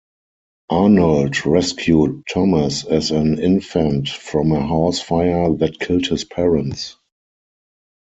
Arnold rescued Thomas as an infant from a house fire that killed his parents.